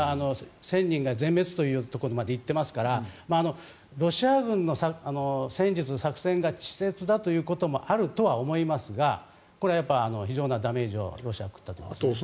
１０００人が全滅まで行っていますからロシア軍の作戦が稚拙だということもあるとは思いますがこれは非常なダメージをロシアは食ったと思います。